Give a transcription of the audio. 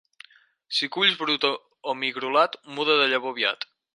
Si culls brut o migrolat, muda de llavor aviat.